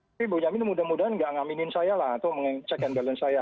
tapi bu yamin mudah mudahan nggak ngaminin saya lah atau mengecek balance saya